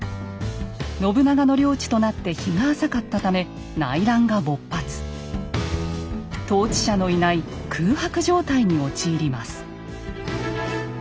信長の領地となって日が浅かったため統治者のいない空白状態に陥ります。